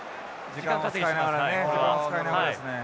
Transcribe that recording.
時間を使いながらですね。